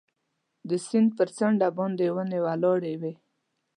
د سیند پر څنډه باندې ونې ولاړې وې.